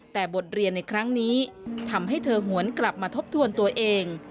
แต่บทเรียนในครั้งนี้ทำให้เธอหวนกลับมาทบทวนตัวเอง